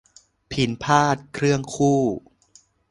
พิณพาทย์เครื่องคู่